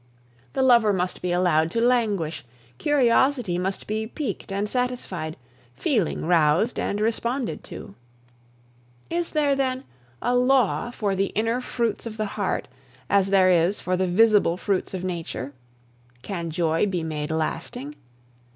The lover must be allowed to languish, curiosity must be piqued and satisfied, feeling roused and responded to. Is there, then, a law for the inner fruits of the heart, as there is for the visible fruits of nature? Can joy be made lasting?